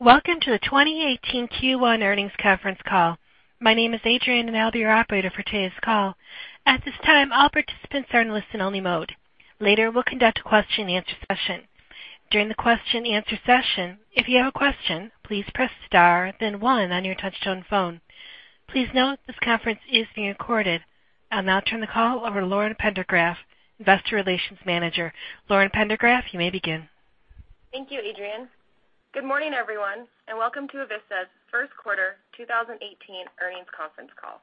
Welcome to the 2018 Q1 earnings conference call. My name is Adrian, I'll be your Operator for today's call. At this time, all participants are in listen-only mode. Later, we'll conduct a question and answer session. During the question and answer session, if you have a question, please press star then one on your touch-tone phone. Please note this conference is being recorded. I'll now turn the call over to Lauren Pendergraft, Investor Relations Manager. Lauren Pendergraft, you may begin. Thank you, Adrian. Good morning, everyone, welcome to Avista's first quarter 2018 earnings conference call.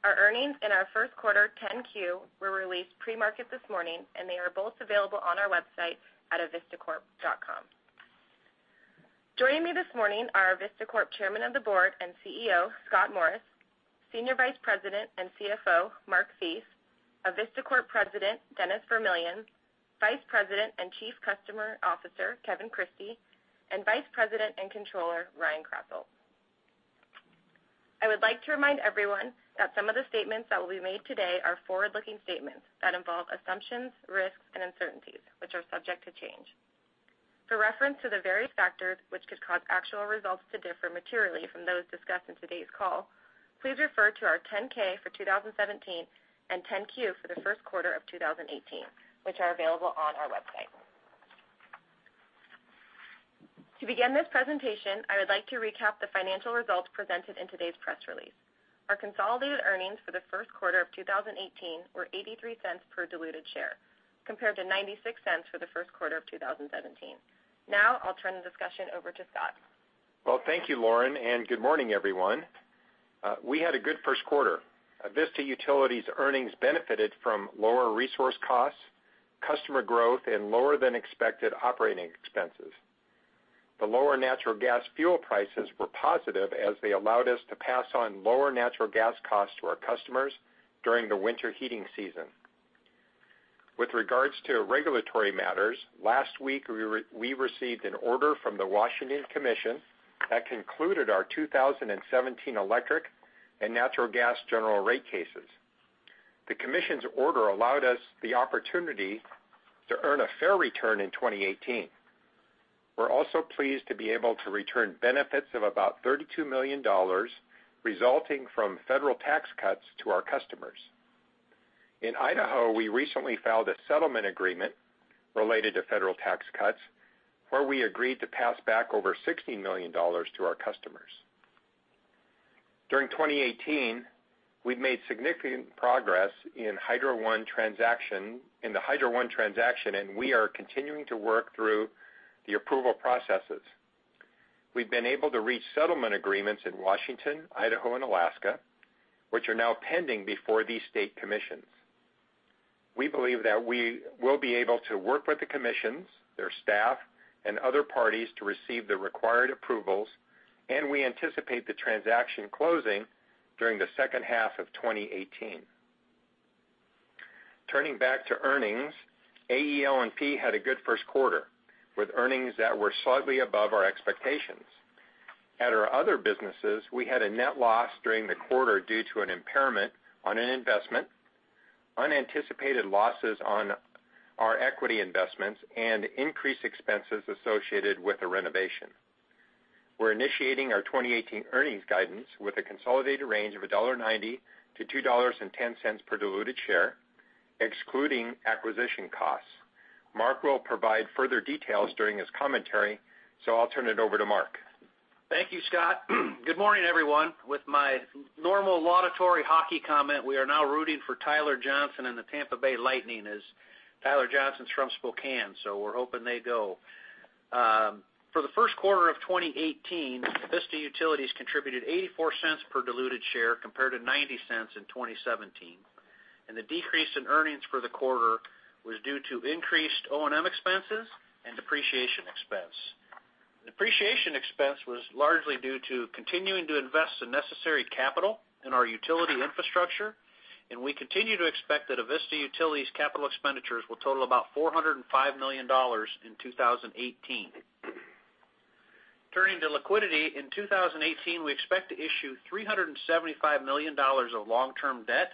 Our earnings and our first quarter 10-Q were released pre-market this morning, they are both available on our website at avistacorp.com. Joining me this morning are Avista Corp Chairman of the Board and CEO, Scott Morris, Senior Vice President and CFO, Mark Thies, Avista Corp President, Dennis Vermillion, Vice President and Chief Customer Officer, Kevin Christie, Vice President and Controller, Ryan Krasselt. I would like to remind everyone that some of the statements that will be made today are forward-looking statements that involve assumptions, risks, and uncertainties, which are subject to change. For reference to the various factors which could cause actual results to differ materially from those discussed in today's call, please refer to our 10-K for 2017 and 10-Q for the first quarter of 2018, which are available on our website. To begin this presentation, I would like to recap the financial results presented in today's press release. Our consolidated earnings for the first quarter of 2018 were $0.83 per diluted share, compared to $0.96 for the first quarter of 2017. I'll turn the discussion over to Scott. Well, thank you, Lauren, good morning, everyone. We had a good first quarter. Avista Utilities' earnings benefited from lower resource costs, customer growth, and lower than expected operating expenses. The lower natural gas fuel prices were positive as they allowed us to pass on lower natural gas costs to our customers during the winter heating season. With regards to regulatory matters, last week, we received an order from the Washington Commission that concluded our 2017 electric and natural gas general rate cases. The Commission's order allowed us the opportunity to earn a fair return in 2018. We're also pleased to be able to return benefits of about $32 million resulting from federal tax cuts to our customers. In Idaho, we recently filed a settlement agreement related to federal tax cuts, where we agreed to pass back over $16 million to our customers. During 2018, we've made significant progress in the Hydro One transaction. We are continuing to work through the approval processes. We've been able to reach settlement agreements in Washington, Idaho, and Alaska, which are now pending before these state commissions. We believe that we will be able to work with the commissions, their staff, and other parties to receive the required approvals. We anticipate the transaction closing during the second half of 2018. Turning back to earnings, AEL&P had a good first quarter, with earnings that were slightly above our expectations. At our other businesses, we had a net loss during the quarter due to an impairment on an investment, unanticipated losses on our equity investments, and increased expenses associated with the renovation. We're initiating our 2018 earnings guidance with a consolidated range of $1.90-$2.10 per diluted share, excluding acquisition costs. Mark will provide further details during his commentary, I'll turn it over to Mark. Thank you, Scott. Good morning, everyone. With my normal laudatory hockey comment, we are now rooting for Tyler Johnson and the Tampa Bay Lightning as Tyler Johnson's from Spokane, we're hoping they go. For the first quarter of 2018, Avista Utilities contributed $0.84 per diluted share compared to $0.90 in 2017. The decrease in earnings for the quarter was due to increased O&M expenses and depreciation expense. Depreciation expense was largely due to continuing to invest the necessary capital in our utility infrastructure. We continue to expect that Avista Utilities capital expenditures will total about $405 million in 2018. Turning to liquidity, in 2018, we expect to issue $375 million of long-term debt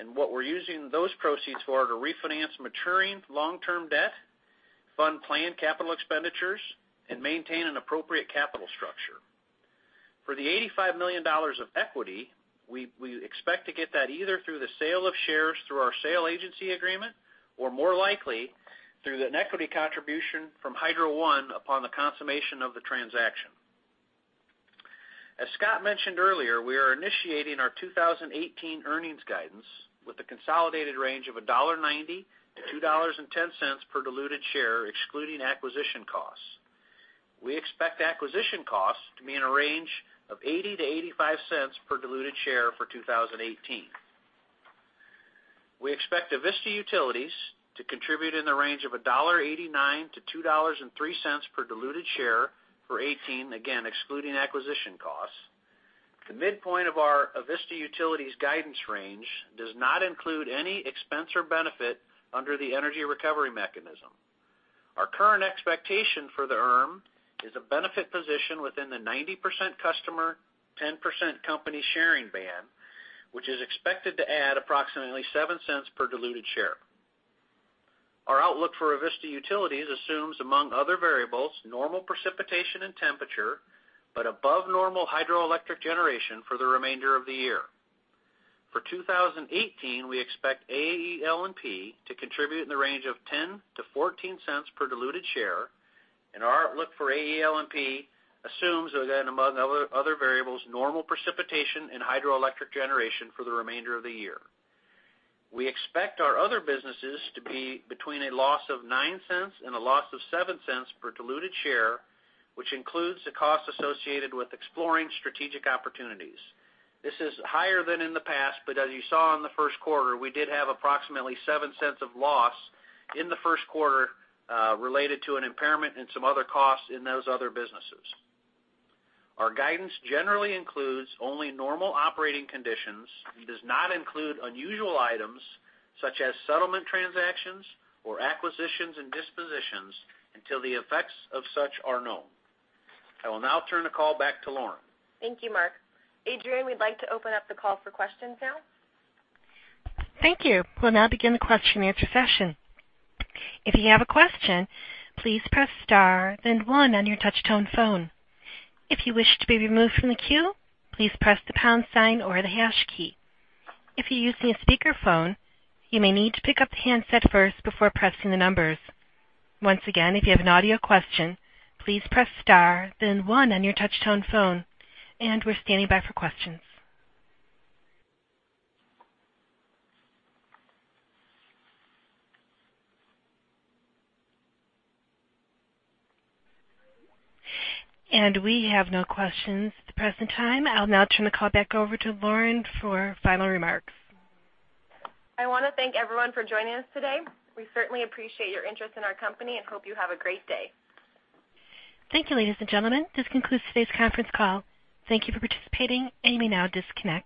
and up to $85 million of equity. What we're using those proceeds for to refinance maturing long-term debt, fund planned capital expenditures, and maintain an appropriate capital structure. For the $85 million of equity, we expect to get that either through the sale of shares through our sale agency agreement or, more likely, through an equity contribution from Hydro One upon the consummation of the transaction. As Scott mentioned earlier, we are initiating our 2018 earnings guidance with a consolidated range of $1.90-$2.10 per diluted share, excluding acquisition costs. We expect acquisition costs to be in a range of $0.80-$0.85 per diluted share for 2018. We expect Avista Utilities to contribute in the range of $1.89-$2.03 per diluted share for 2018, again, excluding acquisition costs. The midpoint of our Avista Utilities guidance range does not include any expense or benefit under the Energy Recovery Mechanism. Our current expectation for the ERM is a benefit position within the 90% customer, 10% company sharing band. Which is expected to add approximately $0.07 per diluted share. Our outlook for Avista Utilities assumes, among other variables, normal precipitation and temperature, but above normal hydroelectric generation for the remainder of the year. For 2018, we expect AEL&P to contribute in the range of $0.10-$0.14 per diluted share, and our outlook for AEL&P assumes, again among other variables, normal precipitation and hydroelectric generation for the remainder of the year. We expect our other businesses to be between a loss of $0.09 and a loss of $0.07 per diluted share, which includes the cost associated with exploring strategic opportunities. This is higher than in the past, but as you saw in the first quarter, we did have approximately $0.07 of loss in the first quarter related to an impairment and some other costs in those other businesses. Our guidance generally includes only normal operating conditions and does not include unusual items such as settlement transactions or acquisitions and dispositions until the effects of such are known. I will now turn the call back to Lauren. Thank you, Mark. Adrian, we'd like to open up the call for questions now. Thank you. We'll now begin the question and answer session. If you have a question, please press star then one on your touch-tone phone. If you wish to be removed from the queue, please press the pound sign or the hash key. If you're using a speakerphone, you may need to pick up the handset first before pressing the numbers. Once again, if you have an audio question, please press star then one on your touch-tone phone. We're standing by for questions. We have no questions at the present time. I'll now turn the call back over to Lauren for final remarks. I want to thank everyone for joining us today. We certainly appreciate your interest in our company and hope you have a great day. Thank you, ladies and gentlemen. This concludes today's conference call. Thank you for participating. You may now disconnect.